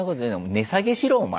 値下げしろお前。